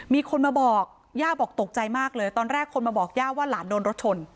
มีคนมาบอกย่าบอกตกใจมากเลยตอนแรกคนมาบอกย่าว่าหลานโดนรถชน